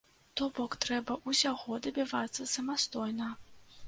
То бок трэба ўсяго дабівацца самастойна.